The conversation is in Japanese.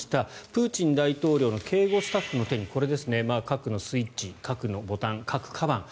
プーチン大統領の警護スタッフの手にこれですね、核のスイッチ核のボタン、核かばん。